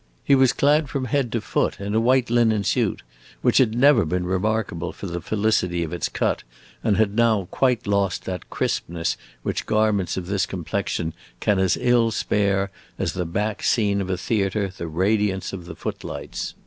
He was clad from head to foot in a white linen suit, which had never been remarkable for the felicity of its cut, and had now quite lost that crispness which garments of this complexion can as ill spare as the back scene of a theatre the radiance of the footlights.